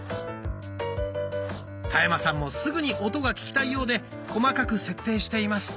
田山さんもすぐに音が聞きたいようで細かく設定しています。